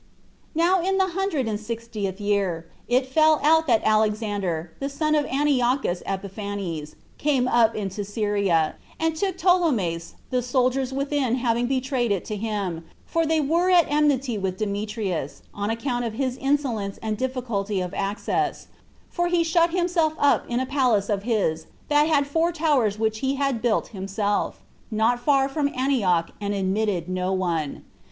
1. Now in the hundred and sixtieth year, it fell out that Alexander, the son of Antiochus Epiphanes, 1 came up into Syria, and took Ptolemais the soldiers within having betrayed it to him; for they were at enmity with Demetrius, on account of his insolence and difficulty of access; for he shut himself up in a palace of his that had four towers which he had built himself, not far from Antioch and admitted nobody.